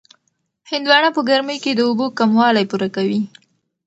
هندواڼه په ګرمۍ کې د اوبو کموالی پوره کوي.